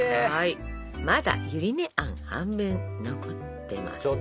まだゆり根あん半分残ってますでしょ？